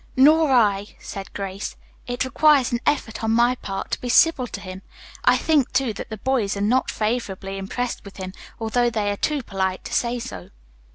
"Nor I," said Grace. "It requires an effort on my part to be civil to him. I think, too, that the boys are not favorably impressed with him, although they are too polite to say so."